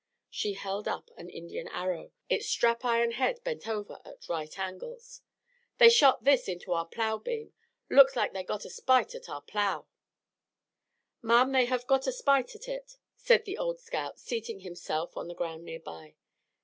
She held up an Indian arrow, its strap iron head bent over at right angles. "They shot this into our plow beam. Looks like they got a spite at our plow." "Ma'am, they have got a spite at hit," said the old scout, seating himself on the ground near by.